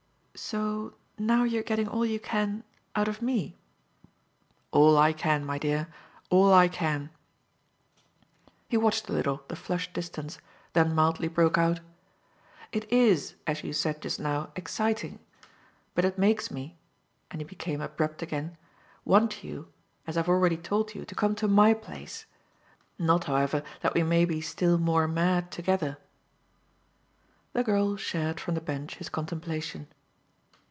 "So now you're getting all you can out of ME?" "All I can, my dear all I can." He watched a little the flushed distance, then mildly broke out: "It IS, as you said just now, exciting! But it makes me" and he became abrupt again "want you, as I've already told you, to come to MY place. Not, however, that we may be still more mad together." The girl shared from the bench his contemplation.